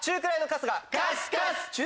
カスカス！